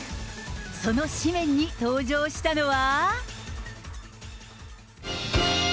その誌面に登場したのは。